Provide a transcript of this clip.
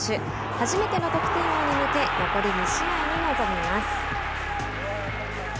初めての得点王に向け残り２試合に臨みます。